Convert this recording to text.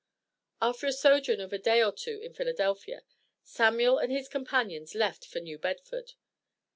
After a sojourn of a day or two in Philadelphia, Samuel and his companions left for New Bedford.